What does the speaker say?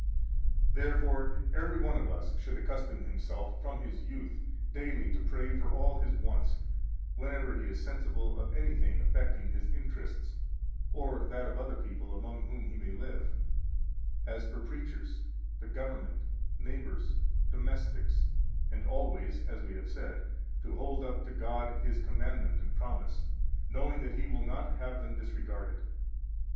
28 Therefore, every one of us should accustom himself from his youth daily to pray for all his wants, whenever he is sensible of anything affecting his interests or that of other people among whom he may live, as for preachers, the government, neighbors, domestics, and always (as we have said) to hold up to God His commandment and promise, knowing that He will not have them disregarded.